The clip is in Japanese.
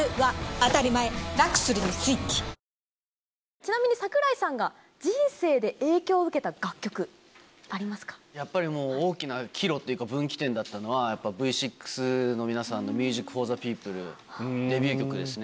ちなみに櫻井さんが人生で影響を受けた楽曲、やっぱり大きな岐路というか分岐点だったのは、やっぱ、Ｖ６の皆さんのＭＵＳＩＣＦＯＲＴＨＥＰＥＯＰＬＥ、デビュー曲ですね。